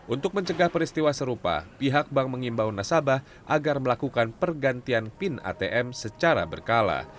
untuk mencegah peristiwa serupa pihak bank mengimbau nasabah agar melakukan pergantian pin atm secara berkala